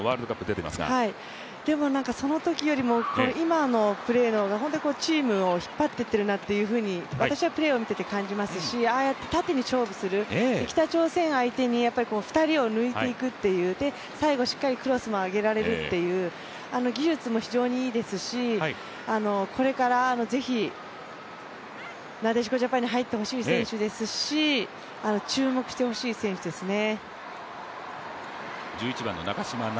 でもそのときよりも今のプレーの方がチームを引っ張っていっているなと私はプレーを見ていて感じますし、ああやって縦に勝負する、北朝鮮相手に、２人を抜いていく、最後しっかりクロスも上げられるという技術も非常にいいですし、これからぜひなでしこジャパンに入ってほしい選手ですし、注目してほしい選手ですね。